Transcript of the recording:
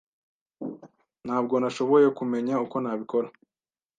Ntabwo nashoboye kumenya uko nabikora.